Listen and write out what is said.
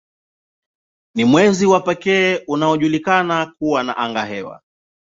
Ni mwezi wa pekee unaojulikana kuwa na angahewa.